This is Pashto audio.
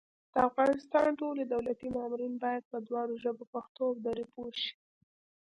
د افغانستان ټول دولتي مامورین بايد په دواړو ژبو پښتو او دري پوه شي